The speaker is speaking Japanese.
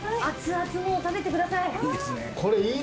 熱々のを食べてください。